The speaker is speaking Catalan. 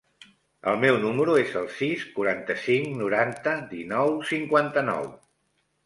El meu número es el sis, quaranta-cinc, noranta, dinou, cinquanta-nou.